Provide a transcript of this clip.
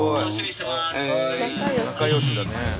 仲よしだね。